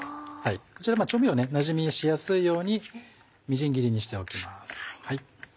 こちら調味料ねなじみしやすいようにみじん切りにしておきます。